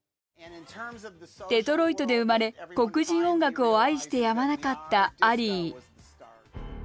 デトロイトで生まれ黒人音楽を愛してやまなかったアリー。